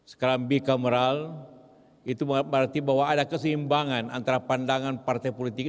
sekarang bikameral itu berarti bahwa ada keseimbangan antara pandangan partai politik